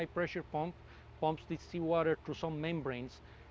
pemumpung air laut itu mengisi air laut ke beberapa membran